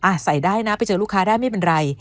ใส่ได้นะไปเจอลูกค้าได้ไม่เป็นไร